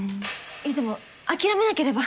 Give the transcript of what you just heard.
いやでも諦めなければ。